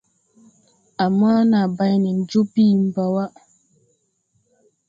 Ama na bay nen joo bìi baa wà.